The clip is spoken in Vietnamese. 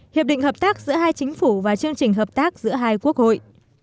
hiệp định hợp tác giữa hai chính phủ và chương trình hợp tác giữa hai quốc hội